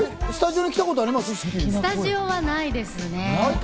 スタジオはないですね。